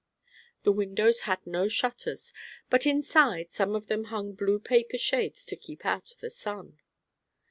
The windows had no shutters, but inside some of them hung blue paper shades to keep out the sun.